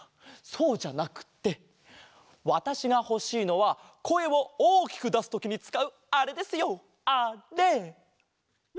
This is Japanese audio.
そうじゃなくってわたしがほしいのはこえをおおきくだすときにつかうあれですよあれ！